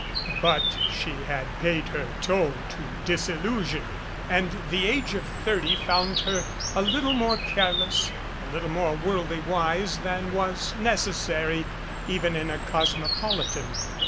But she had paid her toll to disillusion and the age of thirty found her a little more careless, a little more worldly wise than was necessary, even in a cosmopolitan.